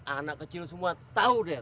anak kecil semua tahu deh